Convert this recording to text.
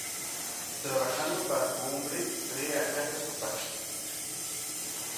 Trabajando para su hombre, trae a casa su paga.